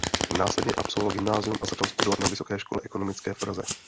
Následně absolvoval gymnázium a začal studovat na Vysoké škole ekonomické v Praze.